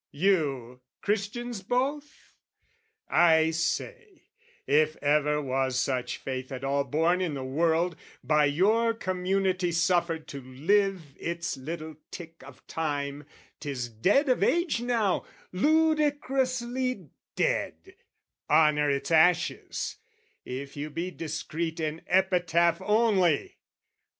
You, Christians both? I say, if ever was such faith at all Born in the world, by your community Suffered to live its little tick of time, 'Tis dead of age now, ludicrously dead; Honour its ashes, if you be discreet, In epitaph only!